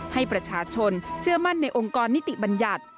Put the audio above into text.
ให้ประชาชนเชื่อมั่นในองค์กรนิติบัญญัติ